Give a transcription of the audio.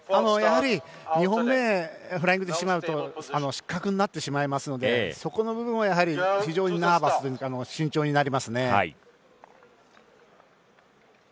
やはり２本目でフライングしてしまうと失格になってしまいますのでそこの部分はやはり非常にナーバスというか慎重になりますね。